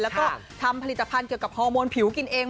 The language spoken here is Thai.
แล้วก็ทำผลิตภัณฑ์เกี่ยวกับฮอร์โมนผิวกินเอง